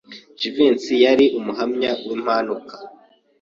Jivency yari umuhamya wimpanuka.